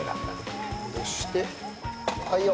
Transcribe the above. そしてはいよ。